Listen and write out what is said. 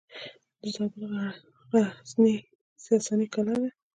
د زابل غزنیې ساساني کلا ده